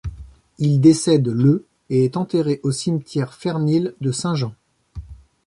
Il décède le et est enterré au cimetière Fernhill de Saint-Jean.